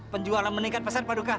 penjualan meningkat pesan paduka